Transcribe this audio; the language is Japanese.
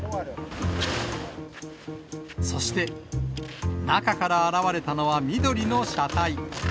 そして、中から現れたのは緑の車体。